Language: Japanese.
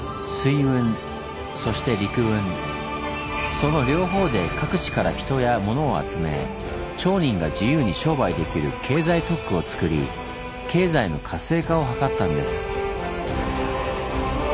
その両方で各地から人や物を集め町人が自由に商売できる経済特区をつくり経済の活性化を図ったんです。